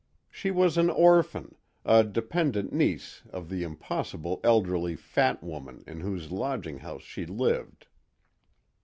She was an orphan, a dependent niece of the impossible elderly fat woman in whose lodging house she lived.